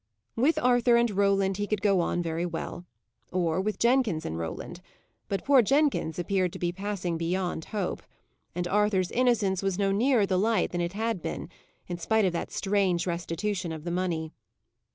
With Arthur and Roland, he could go on very well, or with Jenkins and Roland; but poor Jenkins appeared to be passing beyond hope; and Arthur's innocence was no nearer the light than it had been, in spite of that strange restitution of the money.